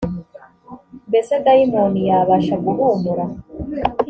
mbese dayimoni yabasha guhumura